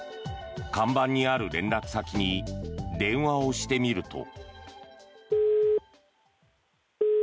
看板にある連絡先に電話をしてみると。